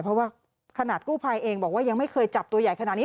เพราะว่าขนาดกู้ภัยเองบอกว่ายังไม่เคยจับตัวใหญ่ขนาดนี้